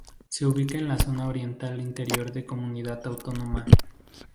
Se ubica en la zona oriental interior de comunidad autónoma.